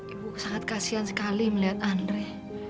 ibu sangat kasian sekali melihat andre